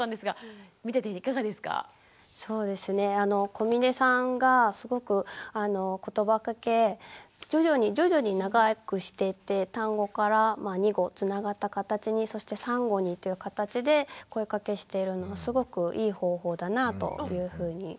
小峰さんがすごくことばかけ徐々に徐々に長くしていって単語から２語つながった形にそして３語にっていう形で声かけしてるのはすごくいい方法だなぁというふうに思いましたね。